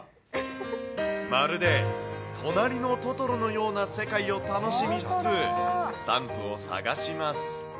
まるでとなりのトトロのような世界を楽しみつつ、スタンプを探します。